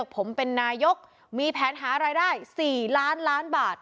ผมเป็นนายกมีแผนหารายได้๔ล้านล้านบาท